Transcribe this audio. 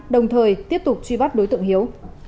đồng thời tiếp tục truy bắt đối tượng hiếu